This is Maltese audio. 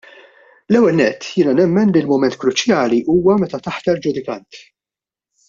L-ewwel nett jiena nemmen li l-mument kruċjali huwa meta taħtar ġudikant.